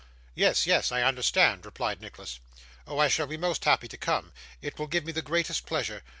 'Yes, yes, I understand,' replied Nicholas. 'Oh, I shall be most happy to come; it will give me the greatest pleasure.